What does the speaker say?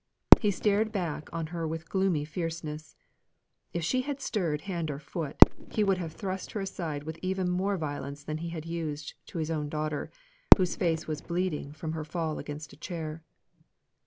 He stared back on her with gloomy fierceness. If she had stirred hand or foot, he would have thrust her aside with even more violence than he had used to his own daughter, whose face was bleeding from her fall against a chair.